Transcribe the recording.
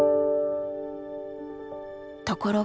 ところが。